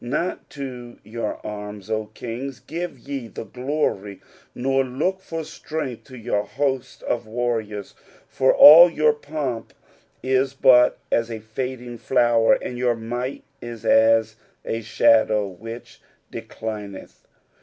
Not to your anns, O kings, give ye the glory, nor look for strength to jour hosts of warriors, for all your pomp is but as a fading flower, and your might is as a shadow which declineth.